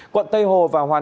quận tây hồ và hoàn điền